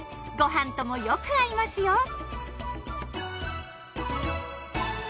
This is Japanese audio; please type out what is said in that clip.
ごはんともよく合いますよ。